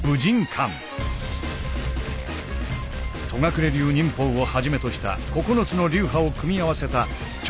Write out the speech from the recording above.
戸隠流忍法をはじめとした９つの流派を組み合わせた超実戦派